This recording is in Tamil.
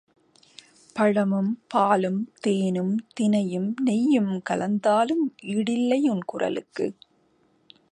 பழமும், பாலும், தேனும், தினையும், நெய்யும் கலந்தாலும் ஈடில்லை உன் குரலுக்கு.